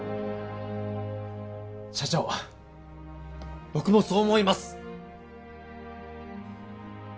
社長僕もそう思います！